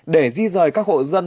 để di dời các hộ dân